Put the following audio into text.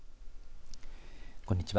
こんにちは。